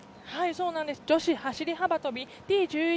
女子走り幅跳びＴ１１